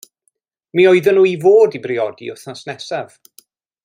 Mi oedden nhw i fod i briodi wythnos nesaf.